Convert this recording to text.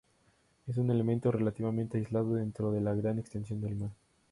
Es un elemento relativamente aislado dentro de la gran extensión del mar.